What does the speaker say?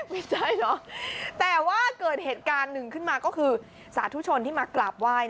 ไม่ใช่เนอะแต่ว่าเกิดเหตุการณ์หนึ่งขึ้นมาก็คือสาธุชนที่มากราบไหว้